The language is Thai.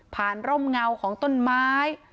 ร่มเงาของต้นไม้